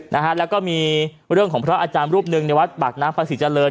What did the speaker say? นะฮะแล้วก็มีเรื่องของพระอาจารย์รูปหนึ่งในวัดปากน้ำพระศรีเจริญ